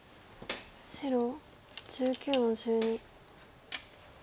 白１９の十二。